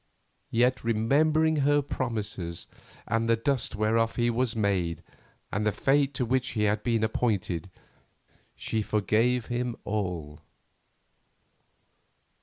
Yet, remembering her promises, and the dust whereof he was made, and the fate to which he had been appointed, she forgave him all.